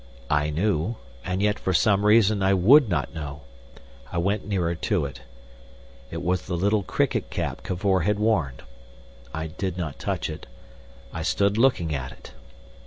I knew, and yet for some reason I would not know. I went nearer to it. It was the little cricket cap Cavor had worn. I did not touch it, I stood looking at it.